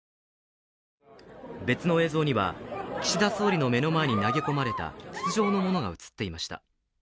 別の映像には、岸田総理の目の前に投げ込まれた筒状のものが映っていました。